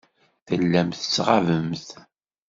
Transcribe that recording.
Tellamt tettɣabemt.